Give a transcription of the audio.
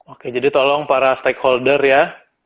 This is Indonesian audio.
oke jadi tolong para stakeholder ya